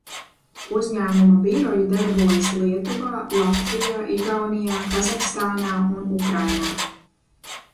Uzņēmuma biroji darbojas Lietuvā, Latvijā, Igaunijā, Kazahstānā un Ukrainā.